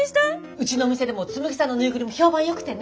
うちの店でも紬さんのぬいぐるみ評判良くてね。